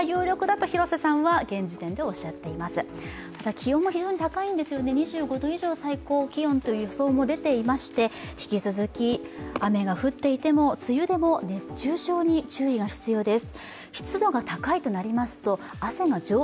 気温も非常に高いんですよね、２５度以上という予想も出ていまして、引き続き、雨が降っていても梅雨でも熱中症に注意が必要です。